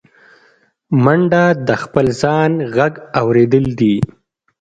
منډه د خپل ځان غږ اورېدل دي